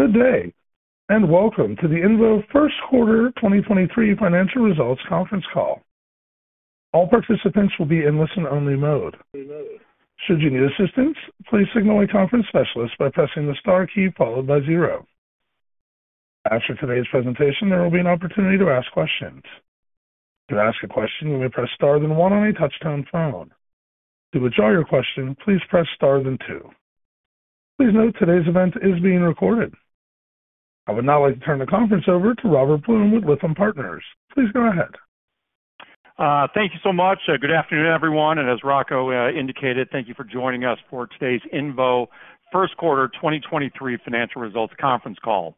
Good day, welcome to the INVO first quarter 2023 financial results conference call. All participants will be in listen-only mode. Should you need assistance, please signal a conference specialist by pressing the star key followed by zero. After today's presentation, there will be an opportunity to ask questions. To ask a question, you may press star then one on a touch-tone phone. To withdraw your question, please press star then two. Please note today's event is being recorded. I would now like to turn the conference over to Robert Blum with Lytham Partners. Please go ahead. Thank you so much. Good afternoon, everyone. As Rocco indicated, thank you for joining us for today's INVO first quarter 2023 financial results conference call.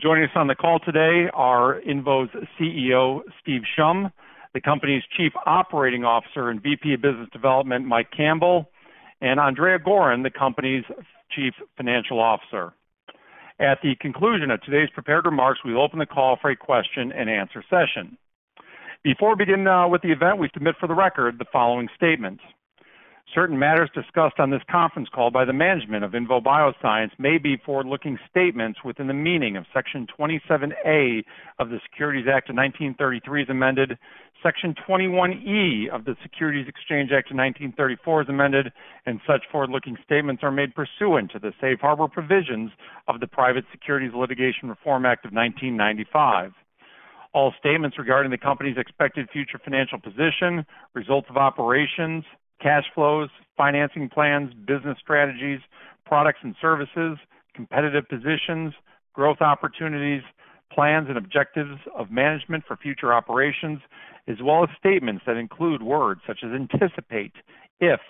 Joining us on the call today are INVO's CEO, Steve Shum, the company's Chief Operating Officer and VP of Business Development, Mike Campbell, and Andrea Goren, the company's Chief Financial Officer. At the conclusion of today's prepared remarks, we open the call for a question-and-answer session. Before we begin with the event, we submit for the record the following statements. Certain matters discussed on this conference call by the management of INVO Bioscience may be forward-looking statements within the meaning of Section 27A of the Securities Act of 1933 as amended, Section 21E of the Securities Exchange Act of 1934 as amended, and such forward-looking statements are made pursuant to the Safe Harbor provisions of the Private Securities Litigation Reform Act of 1995. All statements regarding the company's expected future financial position, results of operations, cash flows, financing plans, business strategies, products and services, competitive positions, growth opportunities, plans and objectives of management for future operations, as well as statements that include words such as anticipate, if,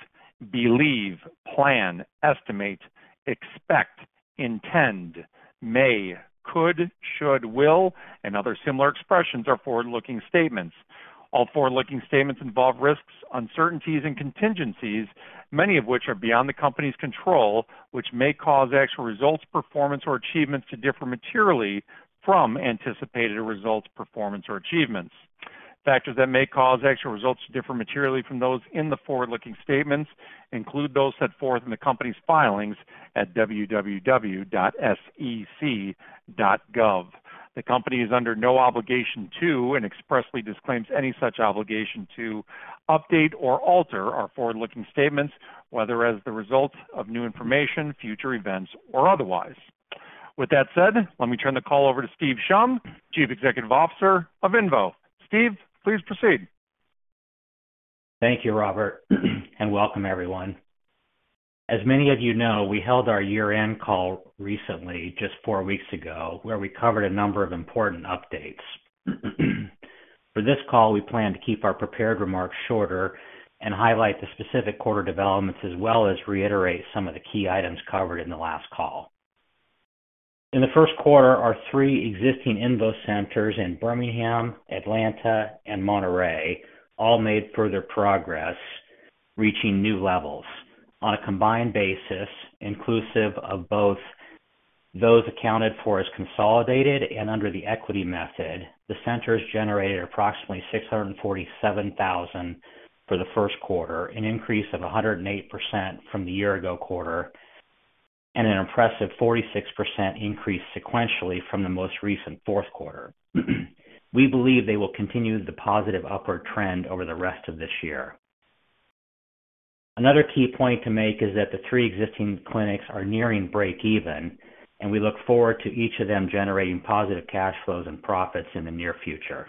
believe, plan, estimate, expect, intend, may, could, should, will, and other similar expressions are forward-looking statements. All forward-looking statements involve risks, uncertainties and contingencies, many of which are beyond the company's control, which may cause actual results, performance, or achievements to differ materially from anticipated results, performance, or achievements. Factors that may cause actual results to differ materially from those in the forward-looking statements include those set forth in the company's filings at www.sec.gov. The company is under no obligation to, and expressly disclaims any such obligation to update or alter our forward-looking statements, whether as the result of new information, future events, or otherwise. With that said, let me turn the call over to Steve Shum, Chief Executive Officer of INVO. Steve, please proceed. Thank you, Robert, and welcome everyone. As many of you know, we held our year-end call recently, just four weeks ago, where we covered a number of important updates. For this call, we plan to keep our prepared remarks shorter and highlight the specific quarter developments as well as reiterate some of the key items covered in the last call. In the first quarter, our three existing INVO Centers in Birmingham, Atlanta, and Monterrey all made further progress, reaching new levels. On a combined basis, inclusive of both those accounted for as consolidated and under the equity method, the centers generated approximately $647,000 for the first quarter, an increase of 108% from the year-ago quarter and an impressive 46% increase sequentially from the most recent fourth quarter. We believe they will continue the positive upward trend over the rest of this year. Another key point to make is that the three existing clinics are nearing break even, and we look forward to each of them generating positive cash flows and profits in the near future.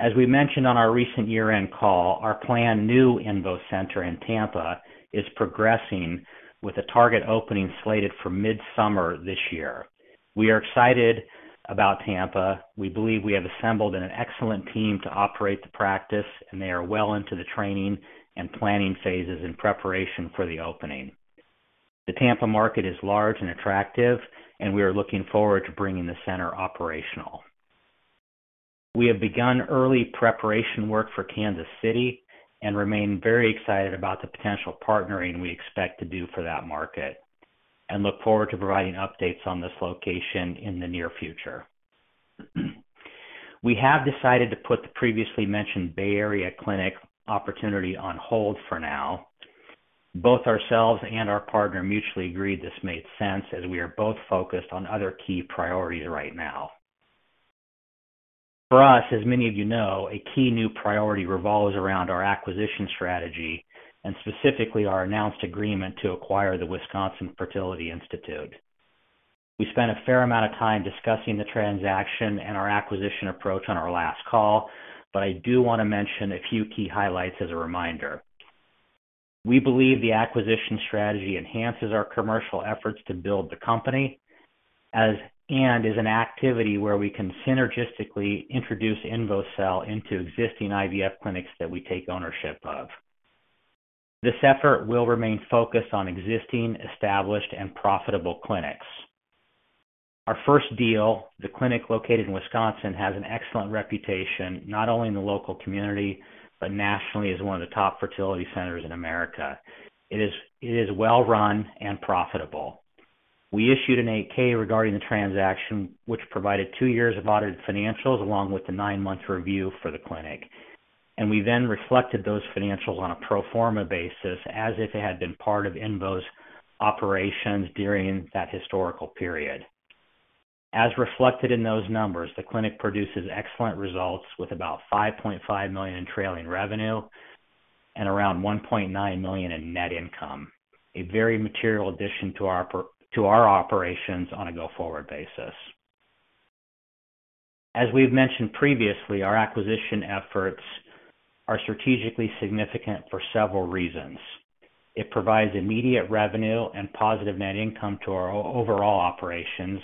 As we mentioned on our recent year-end call, our planned new INVO center in Tampa is progressing with a target opening slated for mid-summer this year. We are excited about Tampa. We believe we have assembled an excellent team to operate the practice, and they are well into the training and planning phases in preparation for the opening. The Tampa market is large and attractive, and we are looking forward to bringing the center operational. We have begun early preparation work for Kansas City and remain very excited about the potential partnering we expect to do for that market and look forward to providing updates on this location in the near future. We have decided to put the previously mentioned Bay Area clinic opportunity on hold for now. Both ourselves and our partner mutually agreed this made sense, as we are both focused on other key priorities right now. For us, as many of you know, a key new priority revolves around our acquisition strategy and specifically our announced agreement to acquire the Wisconsin Fertility Institute. We spent a fair amount of time discussing the transaction and our acquisition approach on our last call, but I do want to mention a few key highlights as a reminder. We believe the acquisition strategy enhances our commercial efforts to build the company and is an activity where we can synergistically introduce INVOcell into existing IVF clinics that we take ownership of. This effort will remain focused on existing, established, and profitable clinics. Our first deal, the clinic located in Wisconsin, has an excellent reputation, not only in the local community, but nationally as one of the top fertility centers in America. It is well-run and profitable. We issued a Form 8-K regarding the transaction, which provided two years of audited financials along with the nine-month review for the clinic. We then reflected those financials on a pro forma basis as if they had been part of INVO's operations during that historical period. As reflected in those numbers, the clinic produces excellent results with about $5.5 million in trailing revenue and around $1.9 million in net income, a very material addition to our operations on a go-forward basis. As we've mentioned previously, our acquisition efforts are strategically significant for several reasons. It provides immediate revenue and positive net income to our overall operations,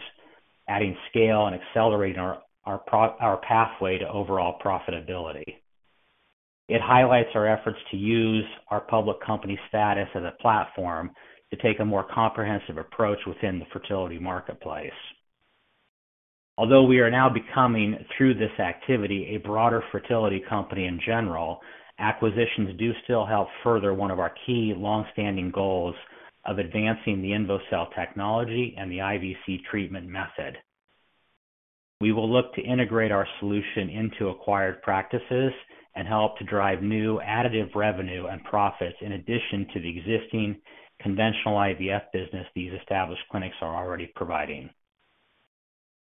adding scale and accelerating our path, our pathway to overall profitability. We are now becoming, through this activity, a broader fertility company in general, acquisitions do still help further one of our key long-standing goals of advancing the INVOcell technology and the IVC treatment method. We will look to integrate our solution into acquired practices and help to drive new additive revenue and profits in addition to the existing conventional IVF business these established clinics are already providing.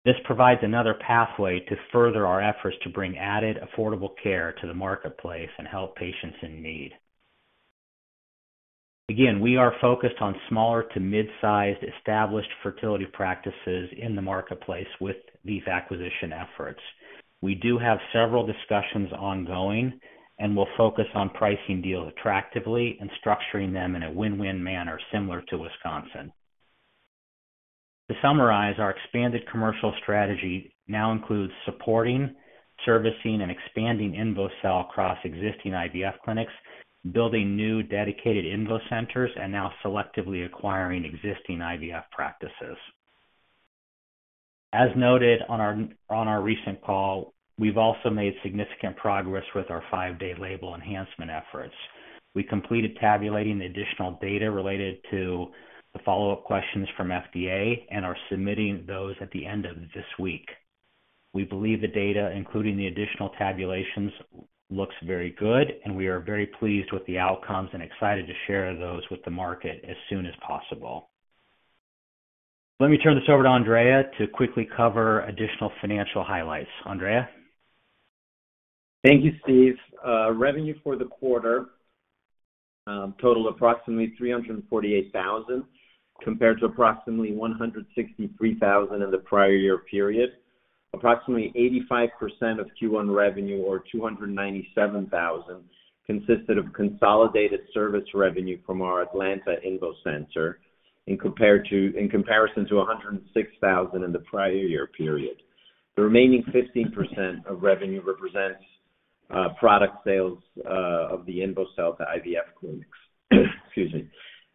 This provides another pathway to further our efforts to bring added affordable care to the marketplace and help patients in need. We are focused on smaller to mid-sized established fertility practices in the marketplace with these acquisition efforts. We do have several discussions ongoing, and we'll focus on pricing deals attractively and structuring them in a win-win manner similar to Wisconsin. Our expanded commercial strategy now includes supporting, servicing, and expanding INVOcell across existing IVF clinics, building new dedicated INVO Centers, and now selectively acquiring existing IVF practices. As noted on our recent call, we've also made significant progress with our 5-day label enhancement efforts. We completed tabulating the additional data related to the follow-up questions from FDA and are submitting those at the end of this week. We believe the data, including the additional tabulations, looks very good, and we are very pleased with the outcomes and excited to share those with the market as soon as possible. Let me turn this over to Andrea to quickly cover additional financial highlights. Andrea. Thank you, Steve. Revenue for the quarter totaled approximately $348,000 compared to approximately $163,000 in the prior year period. Approximately 85% of Q1 revenue, or $297,000, consisted of consolidated service revenue from our Atlanta INVO Center in comparison to $106,000 in the prior year period. The remaining 15% of revenue represents product sales of the INVOcell to IVF clinics. Excuse me.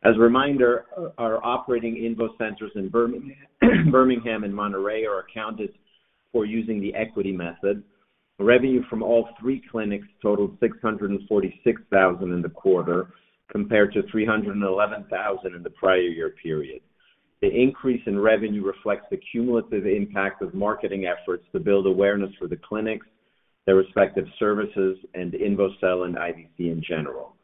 As a reminder, our operating INVO Centers in Birmingham and Monterrey are accounted for using the equity method. Revenue from all three clinics totaled $646,000 in the quarter compared to $311,000 in the prior year period. The increase in revenue reflects the cumulative impact of marketing efforts to build awareness for the clinics, their respective services, and INVOcell and IVC in general.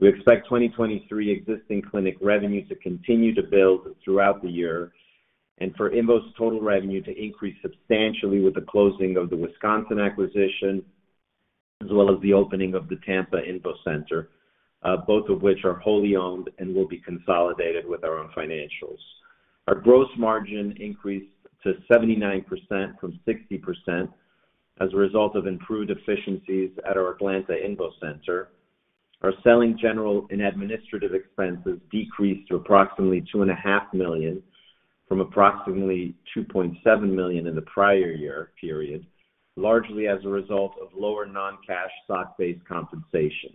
We expect 2023 existing clinic revenue to continue to build throughout the year and for INVO's total revenue to increase substantially with the closing of the Wisconsin acquisition, as well as the opening of the Tampa INVO Center, both of which are wholly owned and will be consolidated with our own financials. Our gross margin increased to 79% from 60% as a result of improved efficiencies at our Atlanta INVO Center. Our selling general and administrative expenses decreased to approximately $2.5 million from approximately $2.7 million in the prior year period, largely as a result of lower non-cash stock-based compensation.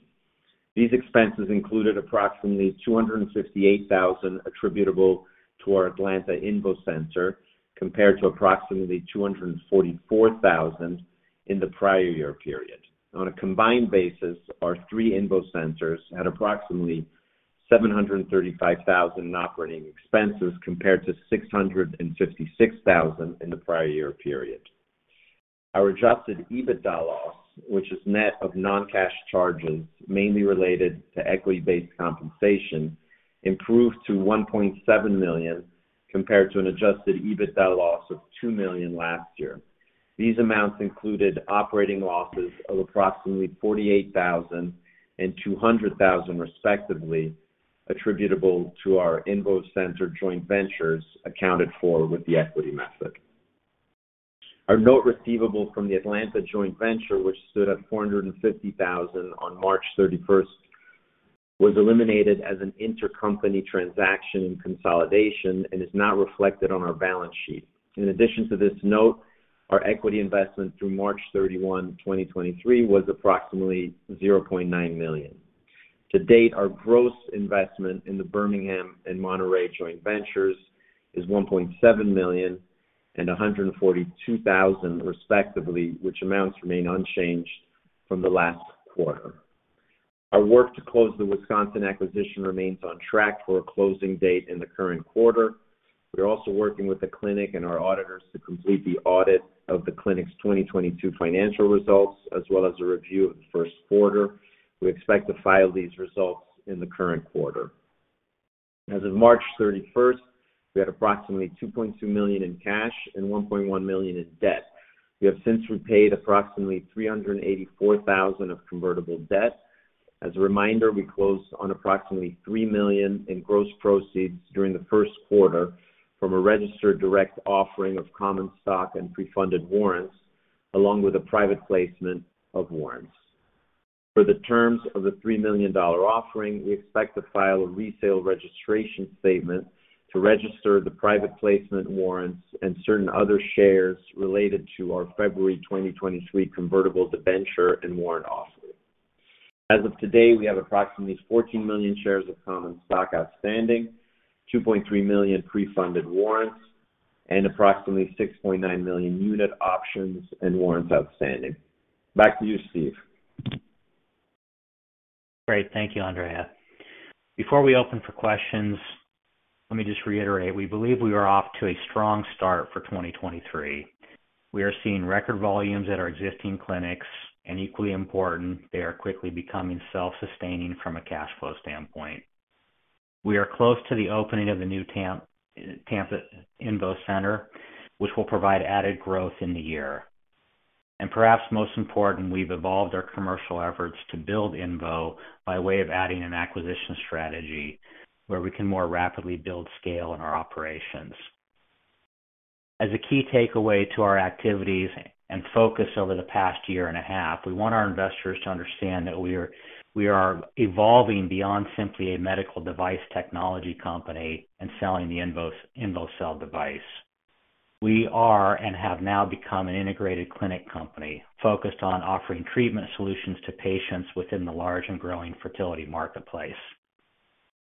These expenses included approximately $258,000 attributable to our Atlanta INVO Center, compared to approximately $244,000 in the prior year period. On a combined basis, our three INVO Centers had approximately $735,000 in operating expenses, compared to $656,000 in the prior year period. Our Adjusted EBITDA loss, which is net of non-cash charges mainly related to equity-based compensation, improved to $1.7 million, compared to an Adjusted EBITDA loss of $2 million last year. These amounts included operating losses of approximately $48,000 and $200,000, respectively, attributable to our INVO Center joint ventures accounted for with the equity method. Our note receivable from the Atlanta joint venture, which stood at $450,000 on March 31, was eliminated as an intercompany transaction consolidation and is not reflected on our balance sheet. In addition to this note, our equity investment through March 31, 2023 was approximately $0.9 million. To date, our gross investment in the Birmingham and Monterrey joint ventures is $1.7 million and $142,000, respectively, which amounts remain unchanged from the last quarter. Our work to close the Wisconsin acquisition remains on track for a closing date in the current quarter. We are also working with the clinic and our auditors to complete the audit of the clinic's 2022 financial results, as well as a review of the first quarter. We expect to file these results in the current quarter. As of March 31st, we had approximately $2.2 million in cash and $1.1 million in debt. We have since repaid approximately $384,000 of convertible debt. As a reminder, we closed on approximately $3 million in gross proceeds during the first quarter from a registered direct offering of common stock and pre-funded warrants, along with a private placement of warrants. For the terms of the $3 million offering, we expect to file a resale registration statement to register the private placement warrants and certain other shares related to our February 2023 convertible debenture and warrant offering. As of today, we have approximately 14 million shares of common stock outstanding, 2.3 million pre-funded warrants, and approximately 6.9 million unit options and warrants outstanding. Back to you, Steve. Great. Thank you, Andrea. Before we open for questions, let me just reiterate, we believe we are off to a strong start for 2023. Equally important, we are seeing record volumes at our existing clinics, and they are quickly becoming self-sustaining from a cash flow standpoint. We are close to the opening of the new Tampa INVO Center, which will provide added growth in the year. Perhaps most important, we've evolved our commercial efforts to build INVO by way of adding an acquisition strategy where we can more rapidly build scale in our operations. As a key takeaway to our activities and focus over the past year and a half, we want our investors to understand that we are evolving beyond simply a medical device technology company and selling the INVOcell device. We are, and have now become, an integrated clinic company focused on offering treatment solutions to patients within the large and growing fertility marketplace.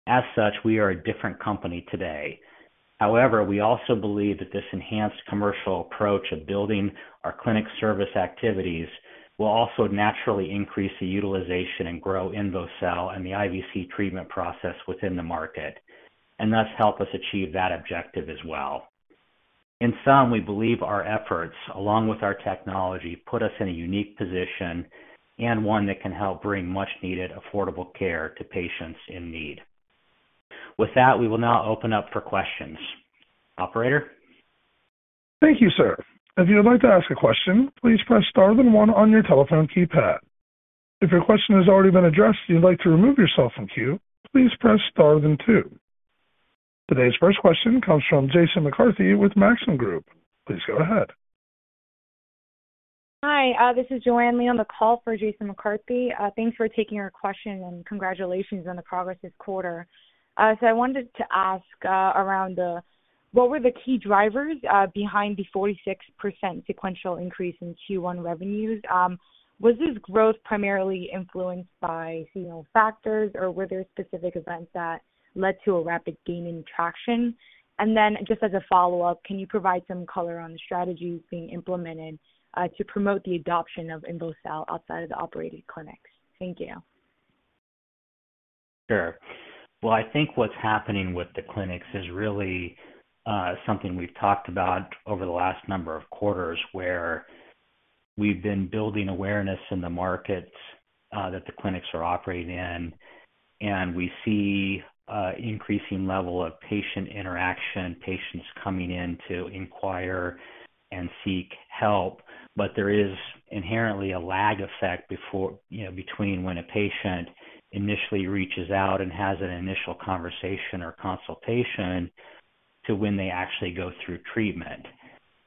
As such, we are a different company today. However, we also believe that this enhanced commercial approach of building our clinic service activities will also naturally increase the utilization and grow INVOcell and the IVC treatment process within the market, and thus help us achieve that objective as well. In sum, we believe our efforts, along with our technology, put us in a unique position and one that can help bring much needed affordable care to patients in need. With that, we will now open up for questions. Operator? Thank you, sir. If you would like to ask a question, please press star then 1 on your telephone keypad. If your question has already been addressed and you'd like to remove yourself from queue, please press star then 2. Today's first question comes from Jason McCarthy with Maxim Group. Please go ahead. Hi, this is Joanne Lee on the call for Jason McCarthy. Thanks for taking our question, and congratulations on the progress this quarter. I wanted to ask around what were the key drivers behind the 46% sequential increase in Q1 revenues. Was this growth primarily influenced by seasonal factors, or were there specific events that led to a rapid gain in traction? Just as a follow-up, can you provide some color on the strategies being implemented to promote the adoption of INVOcell outside of the operating clinics? Thank you. Sure. Well, I think what's happening with the clinics is really, something we've talked about over the last number of quarters, where we've been building awareness in the markets, that the clinics are operating in, and we see a increasing level of patient interaction, patients coming in to inquire and seek help. There is inherently a lag effect, you know, between when a patient initially reaches out and has an initial conversation or consultation to when they actually go through treatment.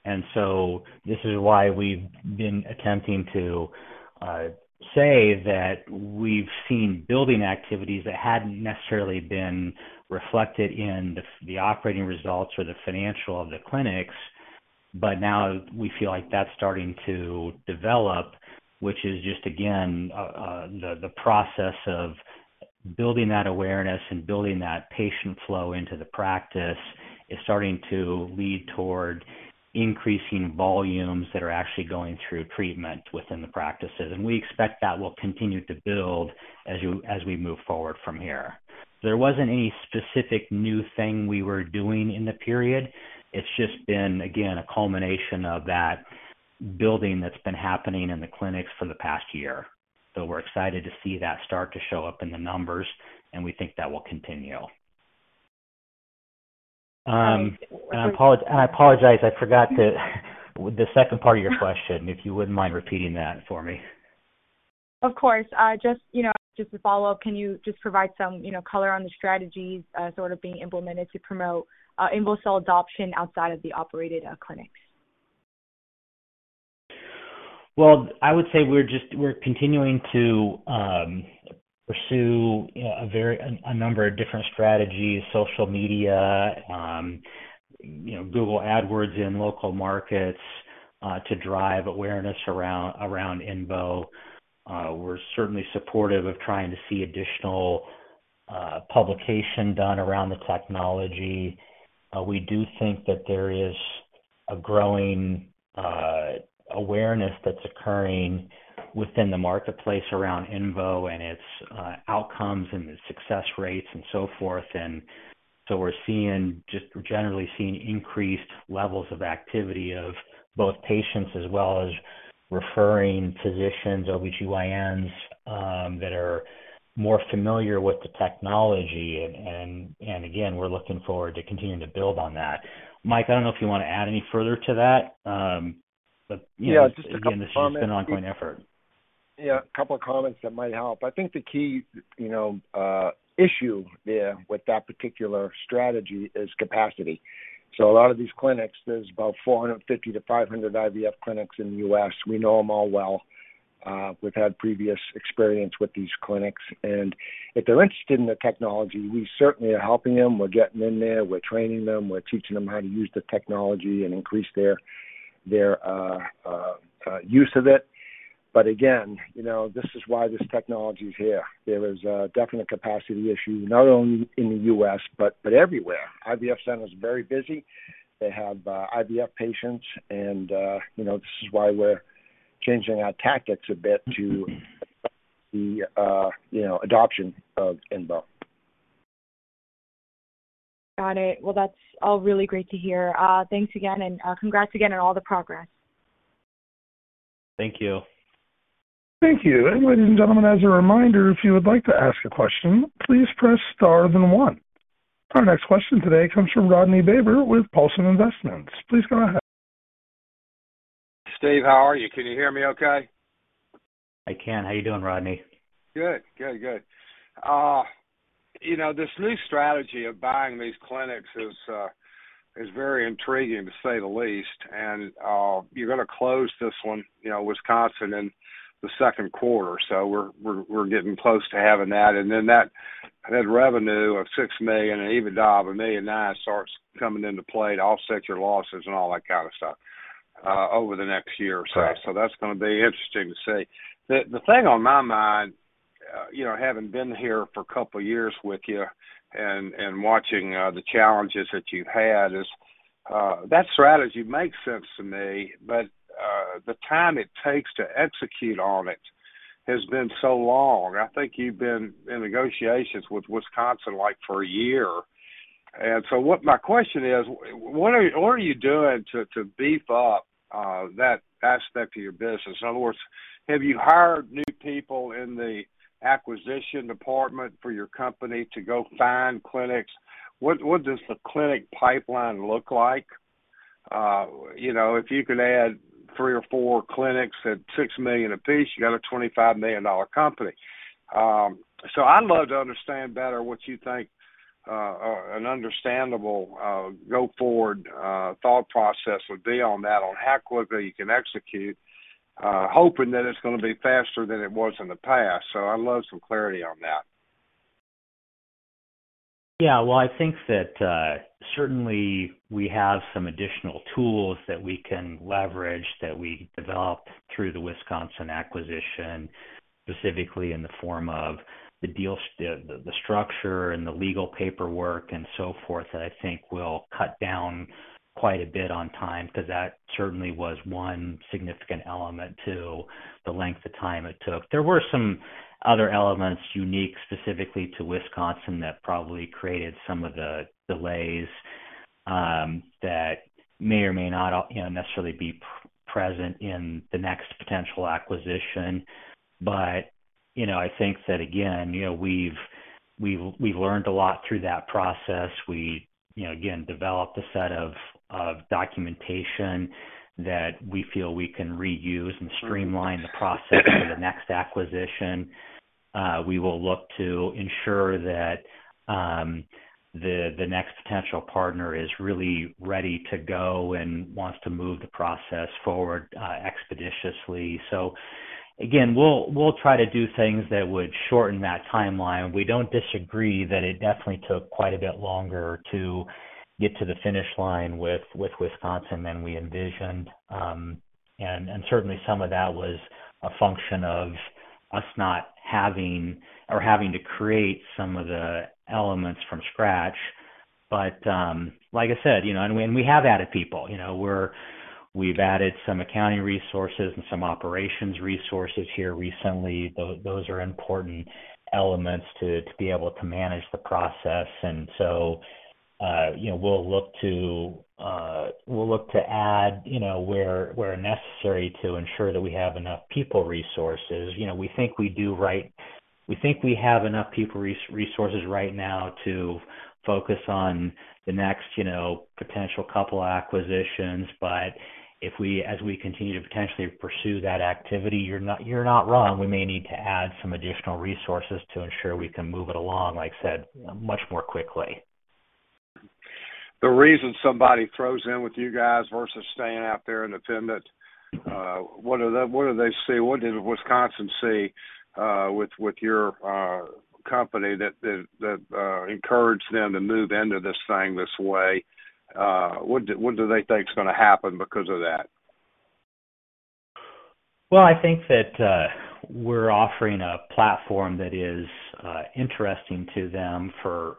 This is why we've been attempting to say that we've seen building activities that hadn't necessarily been reflected in the operating results or the financial of the clinics. Now we feel like that's starting to develop, which is just again, the process of building that awareness and building that patient flow into the practice is starting to lead toward increasing volumes that are actually going through treatment within the practices. We expect that will continue to build as we move forward from here. There wasn't any specific new thing we were doing in the period. It's just been, again, a culmination of that building that's been happening in the clinics for the past year. We're excited to see that start to show up in the numbers, and we think that will continue. Great. Thank you. I apologize. I forgot the second part of your question, if you wouldn't mind repeating that for me. Of course. just, you know, just to follow up, can you just provide some, you know, color on the strategies, sort of being implemented to promote, INVOcell adoption outside of the operated, clinics? Well, I would say we're continuing to pursue a number of different strategies, social media, you know, Google Ads in local markets to drive awareness around INVO. We're certainly supportive of trying to see additional publication done around the technology. We do think that there is a growing awareness that's occurring within the marketplace around INVO and its outcomes and the success rates and so forth. We're seeing increased levels of activity of both patients as well as referring physicians, OBGYNs, that are more familiar with the technology and again, we're looking forward to continuing to build on that. Mike, I don't know if you want to add any further to that, but, you know. Just a couple comments. again, this has been an ongoing effort. A couple of comments that might help. I think the key, you know, issue there with that particular strategy is capacity. A lot of these clinics, there's about 450-500 IVF clinics in the U.S. We know them all well. We've had previous experience with these clinics. If they're interested in the technology, we certainly are helping them. We're getting in there, we're training them, we're teaching them how to use the technology and increase their use of it. Again, you know, this is why this technology is here. There is a definite capacity issue, not only in the U.S., but everywhere. IVF center is very busy. They have IVF patients and, you know, this is why we're changing our tactics a bit to the, you know, adoption of INVO. Got it. That's all really great to hear. Thanks again and, congrats again on all the progress. Thank you. Thank you. Ladies and gentlemen, as a reminder, if you would like to ask a question, please press star then one. Our next question today comes from Rodney Baber with Paulson Investment Company. Please go ahead. Steve, how are you? Can you hear me okay? I can. How you doing, Rodney? Good. You know, this new strategy of buying these clinics is very intriguing, to say the least. You're gonna close this one, you know, Wisconsin in the second quarter. We're getting close to having that. That revenue of $6 million and EBITDA of $1.9 million starts coming into play to offset your losses and all that kind of stuff over the next year or so. Right. That's gonna be interesting to see. The thing on my mind, you know, having been here for a couple of years with you and watching the challenges that you've had is that strategy makes sense to me. The time it takes to execute on it has been so long. I think you've been in negotiations with Wisconsin, like, for a year. What my question is, what are you doing to beef up that aspect of your business? In other words, have you hired new people in the acquisition department for your company to go find clinics? What does the clinic pipeline look like? You know, if you could add three or four clinics at $6 million a piece, you got a $25 million company. I'd love to understand better what you think, an understandable, go-forward, thought process would be on that, on how quickly you can execute, hoping that it's gonna be faster than it was in the past. I'd love some clarity on that. Yeah. Well, I think that certainly we have some additional tools that we can leverage, that we developed through the Wisconsin acquisition, specifically in the form of the structure and the legal paperwork and so forth, that I think will cut down quite a bit on time, 'cause that certainly was one significant element to the length of time it took. There were some other elements unique specifically to Wisconsin that probably created some of the delays, that may or may not, you know, necessarily be present in the next potential acquisition. You know, I think that again, you know, we've learned a lot through that process. We, you know, again, developed a set of documentation that we feel we can reuse and streamline the process for the next acquisition. We will look to ensure that the next potential partner is really ready to go and wants to move the process forward expeditiously. Again, we'll try to do things that would shorten that timeline. We don't disagree that it definitely took quite a bit longer to get to the finish line with Wisconsin than we envisioned. Certainly some of that was a function of us not having or having to create some of the elements from scratch. Like I said, you know, and we have added people. You know, we've added some accounting resources and some operations resources here recently. Those are important elements to be able to manage the process. You know, we'll look to add, you know, where necessary to ensure that we have enough people resources. You know, we think we do, right. We think we have enough people resources right now to focus on the next, you know, potential couple acquisitions. If we, as we continue to potentially pursue that activity, you're not, you're not wrong, we may need to add some additional resources to ensure we can move it along, like I said, much more quickly. The reason somebody throws in with you guys versus staying out there independent, what are the, what do they see? What did Wisconsin see with your company that encouraged them to move into this thing this way? What do they think is gonna happen because of that? Well, I think that we're offering a platform that is interesting to them for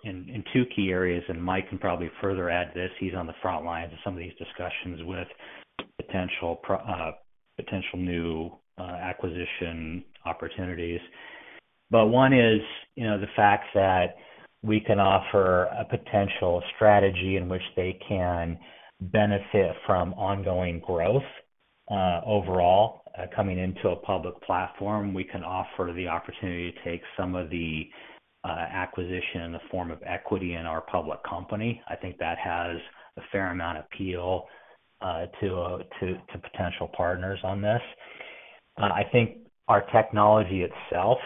two key areas, and Mike can probably further add this. He's on the front lines of some of these discussions with potential new acquisition opportunities. One is, you know, the fact that we can offer a potential strategy in which they can benefit from ongoing growth overall. Coming into a public platform, we can offer the opportunity to take some of the acquisition in the form of equity in our public company. I think that has a fair amount of appeal to potential partners on this. I think our technology itself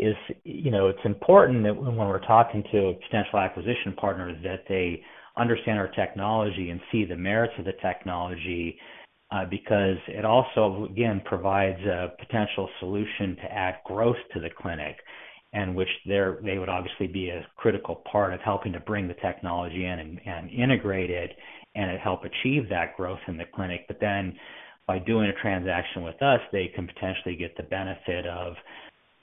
is... You know, it's important that when we're talking to potential acquisition partners, that they understand our technology and see the merits of the technology, because it also, again, provides a potential solution to add growth to the clinic, and which they would obviously be a critical part of helping to bring the technology in and integrate it, and help achieve that growth in the clinic. By doing a transaction with us, they can potentially get the benefit of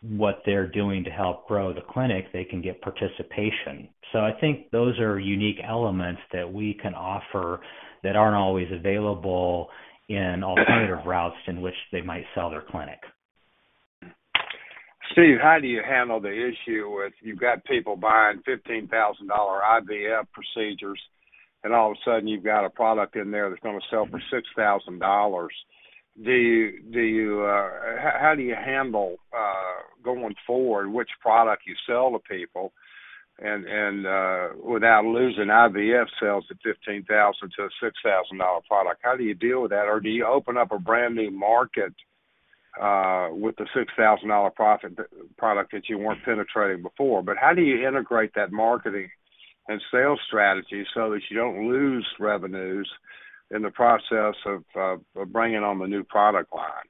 what they're doing to help grow the clinic. They can get participation. I think those are unique elements that we can offer that aren't always available in alternative routes in which they might sell their clinic. Steve, how do you handle the issue with you've got people buying $15,000 IVF procedures and all of a sudden you've got a product in there that's gonna sell for $6,000? Do you, how do you handle going forward which product you sell to people and without losing IVF sales at $15,000 to a $6,000 product? How do you deal with that? Or do you open up a brand-new market with the $6,000 product that you weren't penetrating before? How do you integrate that marketing and sales strategy so that you don't lose revenues in the process of bringing on the new product line?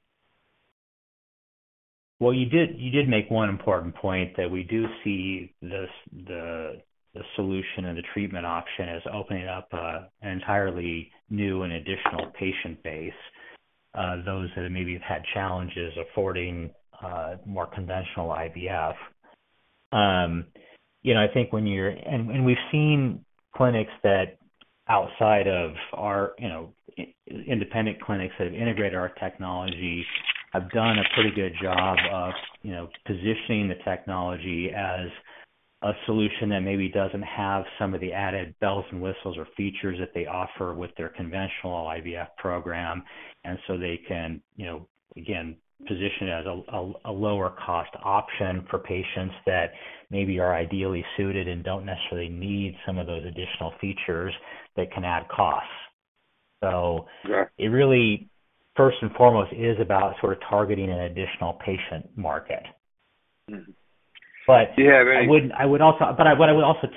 Well, you did make one important point that we do see the solution and the treatment option as opening up an entirely new and additional patient base, those that maybe have had challenges affording more conventional IVF. you know, I think when we've seen clinics that outside of our, you know, independent clinics that have integrated our technology have done a pretty good job of, you know, positioning the technology as a solution that maybe doesn't have some of the added bells and whistles or features that they offer with their conventional IVF program. they can, you know, again, position it as a lower cost option for patients that maybe are ideally suited and don't necessarily need some of those additional features that can add costs. Okay. It really, first and foremost, is about sort of targeting an additional patient market. Mm-hmm. Yeah, right. I would also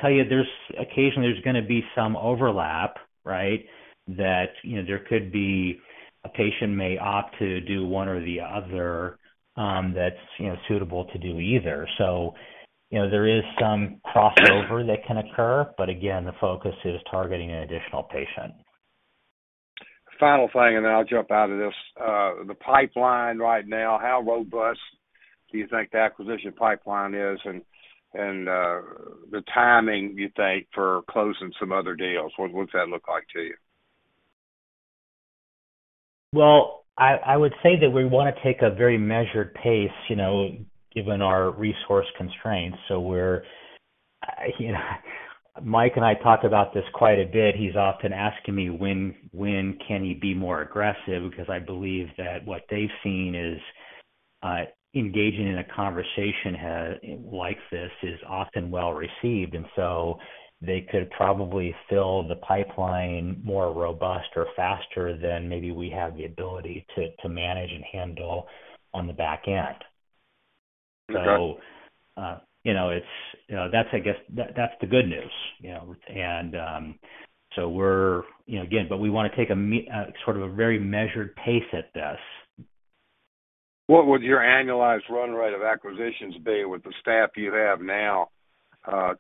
tell you, there's occasionally gonna be some overlap, right? That, you know, there could be a patient may opt to do one or the other, that's, you know, suitable to do either. You know, there is some crossover that can occur, but again, the focus is targeting an additional patient. Final thing, and then I'll jump out of this. The pipeline right now, how robust do you think the acquisition pipeline is and the timing you think for closing some other deals? What's that look like to you? I would say that we wanna take a very measured pace, you know, given our resource constraints. You know, Mike and I talk about this quite a bit. He's often asking me when can he be more aggressive? Because I believe that what they've seen is engaging in a conversation like this is often well received, they could probably fill the pipeline more robust or faster than maybe we have the ability to manage and handle on the back end. Okay. You know, it's, you know, I guess that's the good news, you know? You know, again, we wanna take a sort of a very measured pace at this. What would your annualized run rate of acquisitions be with the staff you have now?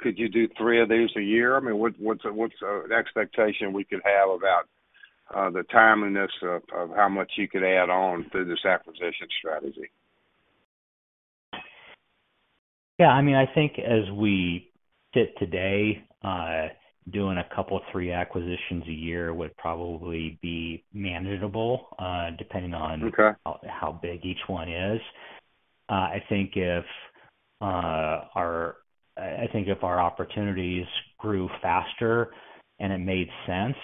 Could you do three of these a year? I mean, what's an expectation we could have about the timeliness of how much you could add on through this acquisition strategy? I mean, I think as we sit today, doing two, three acquisitions a year would probably be manageable, depending on. Okay. how big each one is. I think if our opportunities grew faster and it made sense,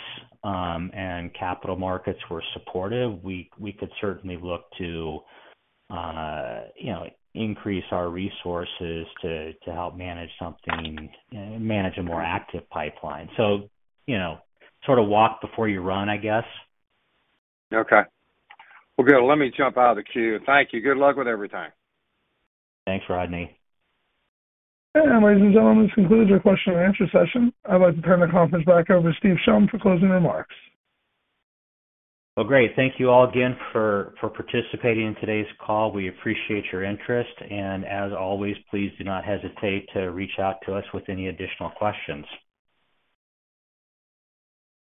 and capital markets were supportive, we could certainly look to, you know, increase our resources to help manage something, manage a more active pipeline. You know, sort of walk before you run, I guess. Okay. Well, good. Let me jump out of the queue. Thank you. Good luck with everything. Thanks, Rodney. Ladies and gentlemen, this concludes our question and answer session. I'd like to turn the conference back over to Steve Shum for closing remarks. Well, great. Thank you all again for participating in today's call. We appreciate your interest, and as always, please do not hesitate to reach out to us with any additional questions.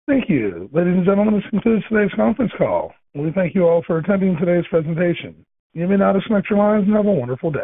Thank you. Ladies and gentlemen, this concludes today's conference call. We thank you all for attending today's presentation. You may now disconnect your lines and have a wonderful day.